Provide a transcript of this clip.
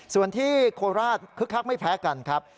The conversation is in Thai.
ส่วนที่โคราชคึกคักไม่แพ้กันครับ